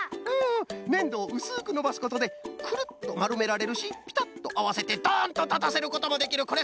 ふんふんねんどをうすくのばすことでクルッとまるめられるしピタッとあわせてドンとたたせることもできる！